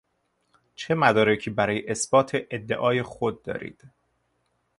چه مدارکی برای اثبات ادعای خود دارید؟